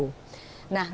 nah romang guandi